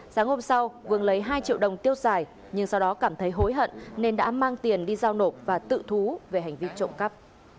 sáng hôm sau vương lấy hai triệu đồng tiêu xài nhưng sau đó cảm thấy hối hận nên đã mang tiền đi giao nộp và tự thú về hành vi trộm cắp